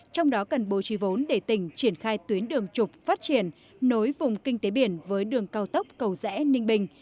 trong đó cần bố trí vốn để tỉnh triển khai tuyến đường trục phát triển nối vùng kinh tế biển với đường cao tốc cầu rẽ ninh bình